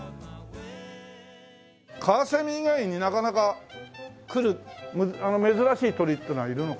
カワセミ以外になかなか来る珍しい鳥っていうのはいるのかしら？